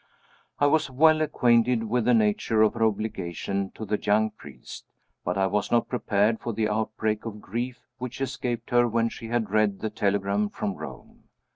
I was well acquainted with the nature of her obligation to the young priest, but I was not prepared for the outbreak of grief which escaped her when she had read the telegram from Rome.